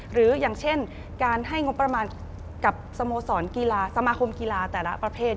หรืออย่างเช่นการให้งบประมาณกับสมาคมกีฬาแต่ละประเภท